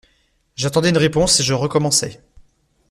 J’attendais une réponse et je recommençais.